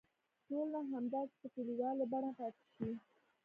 ټولنه همداسې په کلیوالي بڼه پاتې شي.